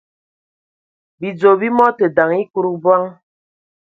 Bidzɔ bi mɔ tə daŋ ekud bɔŋ.